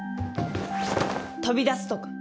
飛び出すとか。